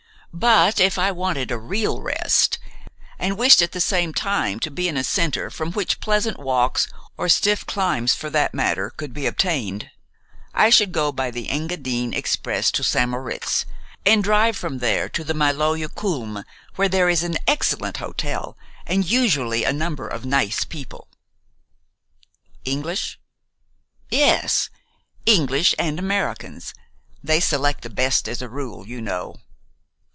But if I wanted a real rest, and wished at the same time to be in a center from which pleasant walks, or stiff climbs for that matter, could be obtained, I should go by the Engadine Express to St. Moritz, and drive from there to the Maloja Kulm, where there is an excellent hotel and usually a number of nice people." "English?" "Yes, English and Americans. They select the best as a rule, you know."